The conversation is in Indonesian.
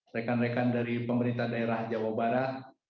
rekan rekan dari pemerintah daerah jawa barat